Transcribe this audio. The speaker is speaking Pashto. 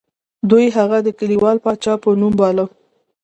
دوی هغه د کلیوال پاچا په نوم باله.